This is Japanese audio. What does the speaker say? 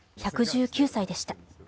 １１９歳でした。